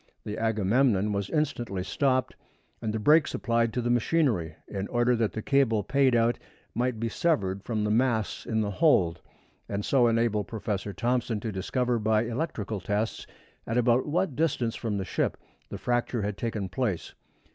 The Agamemnon was instantly stopped and the brakes applied to the machinery, in order that the cable paid out might be severed from the mass in the hold, and so enable Professor Thomson to discover by electrical tests at about what distance from the ship the fracture had taken place.